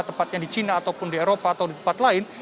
tepatnya di china ataupun di eropa atau di tempat lain